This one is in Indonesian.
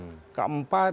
peningkatannya terlalu cepat